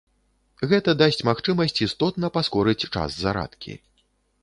Гэта дасць магчымасць істотна паскорыць час зарадкі.